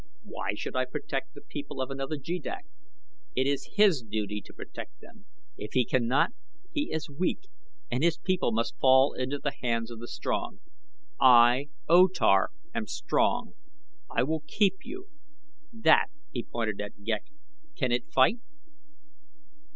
Why should I protect the people of another jeddak? It is his duty to protect them. If he cannot, he is weak, and his people must fall into the hands of the strong. I, O Tar, am strong. I will keep you. That " he pointed at Ghek "can it fight?"